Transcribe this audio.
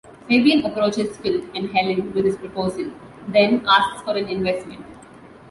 Fabian approaches Phil and Helen with his proposal, then asks for an investment.